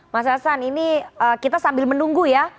mas hasan ini kita sambil menunggu ya